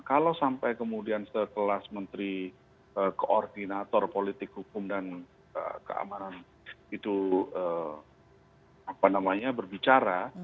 kalau sampai kemudian sekelas menteri koordinator politik hukum dan keamanan itu berbicara